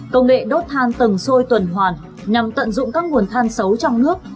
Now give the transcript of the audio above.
công nghệ đốt than tầng xuôi tuần hoàn nhằm tận dụng các nguồn than xấu trong nước